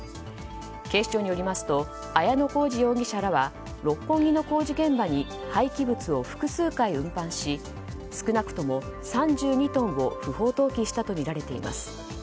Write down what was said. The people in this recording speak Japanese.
警視庁によりますと綾乃小路容疑者らは六本木の工事現場に廃棄物を複数回運搬し少なくとも３２トンを不法投棄したとみられています。